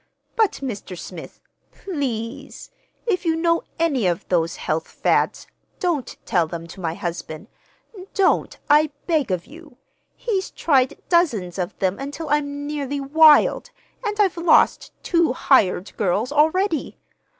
But, Mr. Smith please, if you know any of those health fads, don't tell them to my husband. Don't, I beg of you! He's tried dozens of them until I'm nearly wild, and I've lost two hired girls already.